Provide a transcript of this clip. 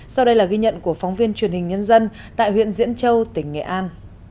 sau đây là ghi nhận của phóng viên truyền hình nhân dân tại huyện diễn châu tỉnh nghệ an